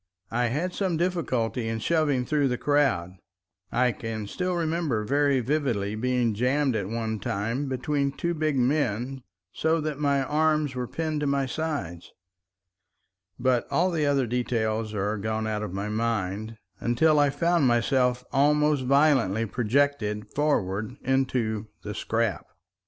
I had some difficulty in shoving through the crowd; I can still remember very vividly being jammed at one time between two big men so that my arms were pinned to my sides, but all the other details are gone out of my mind until I found myself almost violently projected forward into the "scrap."